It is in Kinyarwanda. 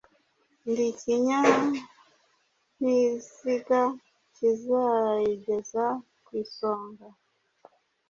Ndi ikinyaniziga kizayigeza ku isonga